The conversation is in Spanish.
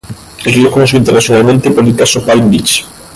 El río es conocido internacionalmente por el Caso Palm Beach.